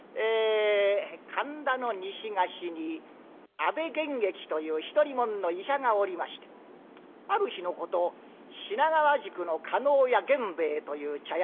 神田の西河岸に阿部玄益という独り者の医者がおりましてある日のこと品川宿の叶屋源兵衛という茶屋